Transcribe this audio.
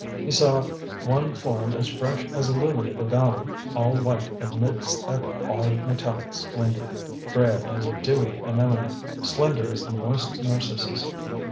He saw one form as fresh as a lily of the valley, all white amidst that hard metallic splendour; frail as a dewy anemone, slender as the moist narcissus.